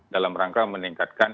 dalam rangka meningkatkan